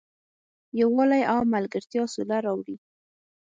یووالی او ملګرتیا سوله راولي.